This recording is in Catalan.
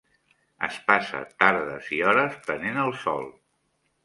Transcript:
Es passa tardes i hores prenent el sol.